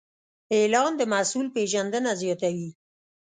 اعلان د محصول پیژندنه زیاتوي.